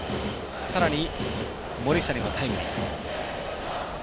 さらに森下にもタイムリー。